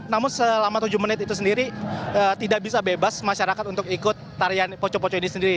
namun selama tujuh menit itu sendiri tidak bisa bebas masyarakat untuk ikut tarian poco poco ini sendiri